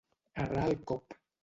Errar el cop.